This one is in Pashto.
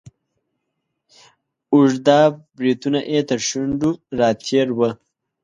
اوږده بریتونه یې تر شونډو را تیر وه.